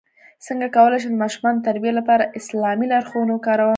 څنګه کولی شم د ماشومانو د تربیې لپاره اسلامي لارښوونې وکاروم